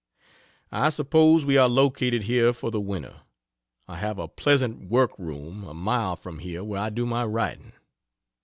I suppose we are located here for the winter. I have a pleasant work room a mile from here where I do my writing.